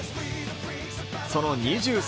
その２３